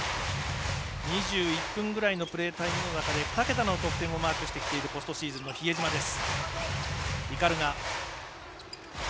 ２１分ぐらいのプレータイムの中で２桁の得点をマークしてきているポストシーズンの比江島です。